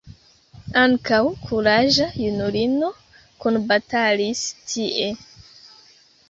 Ankaŭ kuraĝa junulino kunbatalis tie.